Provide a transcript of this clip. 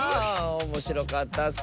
おもしろかったッス！